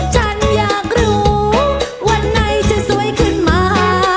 ฉันอยากรู้วันไหนจะสวยขึ้นมา